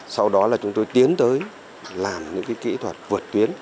sau đó là chúng tôi tiến tới làm những kỹ thuật vượt tuyến